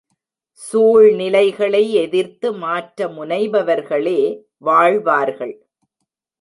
சூழ்நிலைகளை எதிர்த்து மாற்ற முனைபவர்களே வாழ்வார்கள்.